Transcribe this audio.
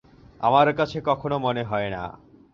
আমার কাছে কখনো মনে হয় না।